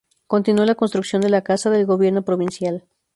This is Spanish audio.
Continuó la construcción de la Casa de Gobierno provincial.